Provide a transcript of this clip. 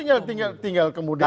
itu kan tinggal kemudian